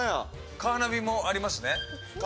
カーナビもありますね。